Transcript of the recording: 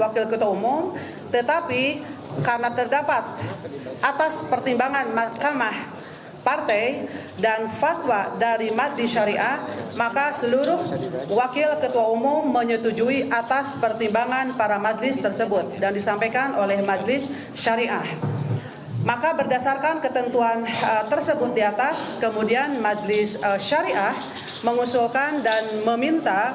kepada pemerintah saya ingin mengucapkan terima kasih kepada pemerintah pemerintah yang telah menonton